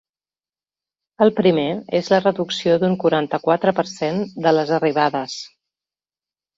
El primer és la reducció d’un quaranta-quatre per cent de les arribades.